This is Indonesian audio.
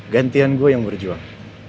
gantian gue yang berjuang